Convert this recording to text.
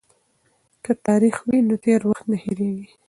که تاریخ وي نو تیر وخت نه هیریږي.